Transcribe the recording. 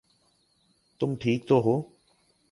تم ٹھیک تو ہو؟